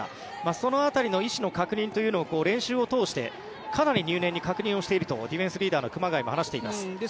その辺りの意思の確認というのを練習を通してかなり入念に練習しているとディフェンスリーダーの熊谷も話しています。